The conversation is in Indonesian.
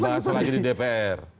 dibahas selanjutnya di dpr